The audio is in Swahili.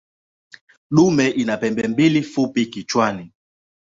Dume ina pembe mbili fupi kichwani.